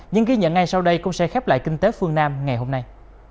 những ghi nhận ngay sau đây cũng sẽ khép lại kinh tế phương nam ngày hôm nay